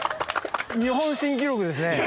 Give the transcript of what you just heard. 日本新記録ですね。